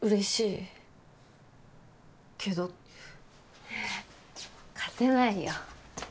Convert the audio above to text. けど勝てないよ。